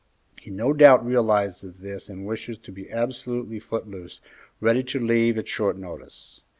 He no doubt realizes this and wishes to be absolutely foot loose, ready to leave at short notice.